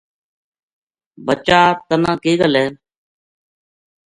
بچا تنا کے گل ہے